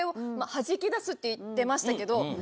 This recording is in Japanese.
はじき出すって言ってましたけど。